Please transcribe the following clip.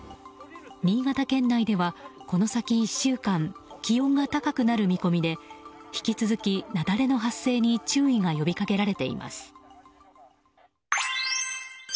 新潟県内では、この先１週間気温が高くなる見込みで引き続き雪崩の発生に注意が呼びかけられています。